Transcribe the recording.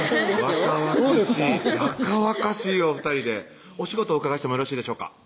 若々しいお２人でお仕事お伺いしてもよろしいでしょうか？